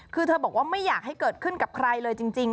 คือเธอบอกว่าไม่อยากให้เกิดขึ้นกับใครเลยจริง